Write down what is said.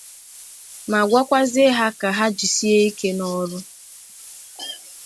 ma gwakwazie ha ka ha jisie ike n'ọrụ